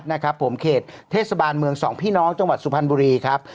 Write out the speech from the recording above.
นะครับผมเขตเทศบาลเมืองสองพี่น้องจังหวัดสุพรรณบุรีครับ